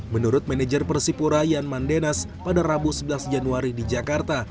menurut manajer persipura yan mandenas pada rabu sebelas januari di jakarta